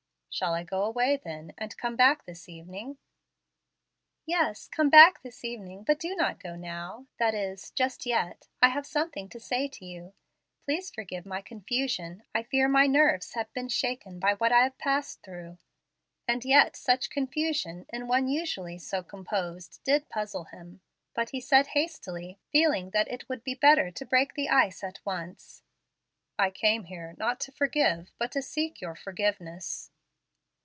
"Shall I go away then, and come back this evening?" "Yes; come back this evening, but do not go now, that is, just yet. I have something to say to you. Please forgive my confusion. I fear my nerves have been shaken by what I have passed through." And yet such "confusion" in one usually so composed did puzzle him, but he said hastily, feeling that it would be better to break the ice at once, "I came here not to 'forgive,' but to seek your forgiveness."